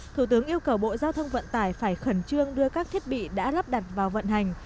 thủ tướng yêu cầu bộ giao thông vận tải phải khẩn trương đưa các thiết bị đã lắp đặt vào vận hành